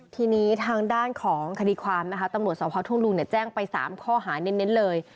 ทีนี้ทางด้านของคดีความนะคะตำรวจสพทุ่งลุงแจ้งไป๓ข้อหาเน้นเลย